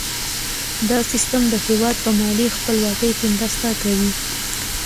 دا سیستم د هیواد په مالي خپلواکۍ کې مرسته کوي.